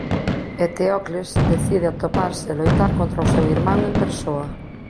Eteocles decide atoparse e loitar contra o seu irmán en persoa.